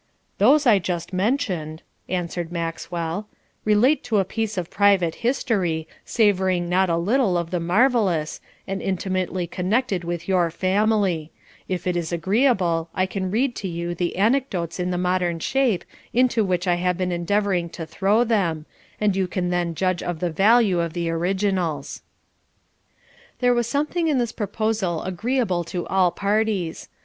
'Those I just mentioned,' answered Maxwell, 'relate to a piece of private history, savouring not a little of the marvellous, and intimately connected with your family; if it is agreeable, I can read to you the anecdotes in the modern shape into which I have been endeavouring to throw them, and you can then judge of the value of the originals.' There was something in this proposal agreeable to all parties.